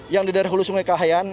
yang di daerah hulu sungai kahayan